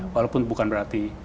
walaupun bukan berarti itu